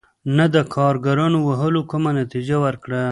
نه د کارګرانو وهلو کومه نتیجه ورکړه.